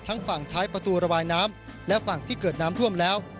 ฝั่งท้ายประตูระบายน้ำและฝั่งที่เกิดน้ำท่วมแล้ว